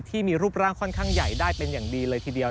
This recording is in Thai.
ที่มีรูปร่างค่อนข้างใหญ่ได้เป็นอย่างดีเลยทีเดียว